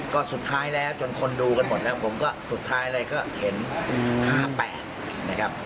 ก็สุดท้ายแล้วจนคนดูกันหมดแล้วผมก็สุดท้ายอะไรก็เห็น๕๘นะครับ